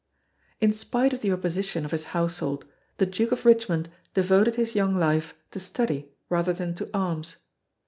In spite of the opposition of his household the Duke of Richmond devoted his young life to study rather than to arms.